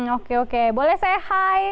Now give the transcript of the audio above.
oke oke boleh saya high